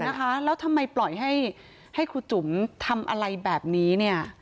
นะคะแล้วทำไมปล่อยให้ให้ครูจุ๋มทำอะไรแบบนี้เนี่ย